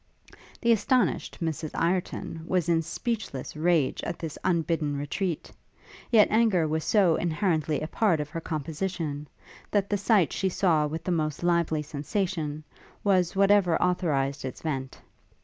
The astonished Mrs Ireton was in speechless rage at this unbidden retreat; yet anger was so inherently a part of her composition, that the sight she saw with the most lively sensation was whatever authorized its vent.